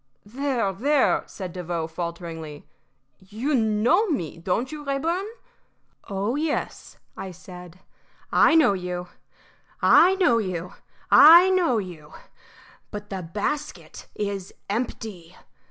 "There, there!" said Devoe, falteringly. "You know me, don't you, Rayburn?" "Oh yes," I said, "I know you. I know you. I know you. But the basket is empty.